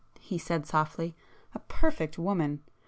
he said softly, "A perfect woman!